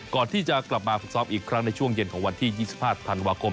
ก่อนที่จะกลับมาฝึกซ้อมอีกครั้งในช่วงเย็นของวันที่๒๕ธันวาคม